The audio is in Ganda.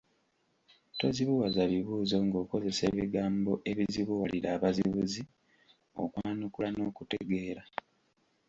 Tozibuwaza bibuuzo ng’okozesa ebigambo ebizibuwalira abazibuzi okwanukula n’okutegeera.